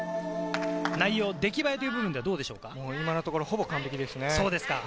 内容、出来栄えという部今のところほぼ完璧ですね。